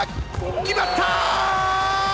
決まったー！